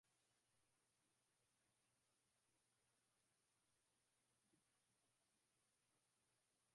sasa hivi ni kwamba niku nikufanya negotiation za kidiplomasia